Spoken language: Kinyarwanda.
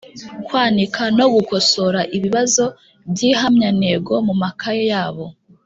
Kwanika no gukosora ibibazo by’ihamyantego mu makaye yabo